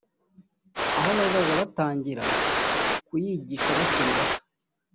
aho bazajya batangira kuyigishwa bakiri bato